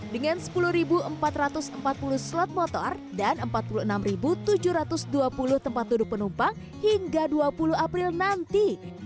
dengan sepuluh empat ratus empat puluh slot motor dan empat puluh enam tujuh ratus dua puluh tempat duduk penumpang hingga dua puluh april nanti